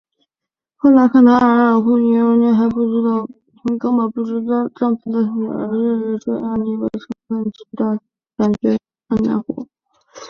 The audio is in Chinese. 赫拉看到阿尔库俄涅还根本不知道丈夫的死而日日这样虔诚祈祷觉得很难过。